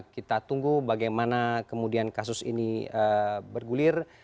kita tunggu bagaimana kemudian kasus ini bergulir